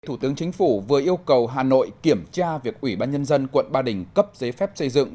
thủ tướng chính phủ vừa yêu cầu hà nội kiểm tra việc ủy ban nhân dân quận ba đình cấp giấy phép xây dựng